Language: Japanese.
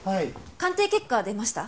鑑定結果出ました？